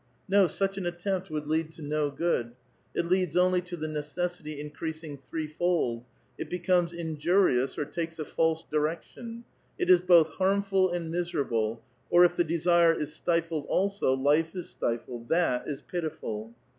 No, such an attempt would lead to no good. It leads only to the necessity increasing threefold ; it becomes injurious or takes a false direction ; it is both harmful and miserable, or if the desire is stifled also, life is stifled ; that is pitiful."